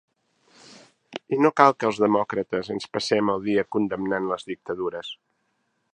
I no cal que els demòcrates ens passem el dia condemnant les dictadures.